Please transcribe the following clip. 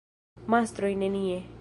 Mastroj nenie.